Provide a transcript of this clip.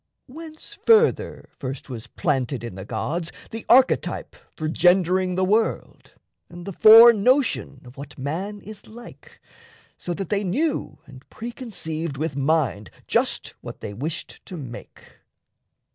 Whence, further, first was planted in the gods The archetype for gendering the world And the fore notion of what man is like, So that they knew and pre conceived with mind Just what they wished to make?